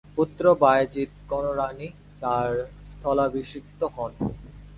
পুত্র বায়েজীদ কররানী তাঁর স্থলাভিষিক্ত হন।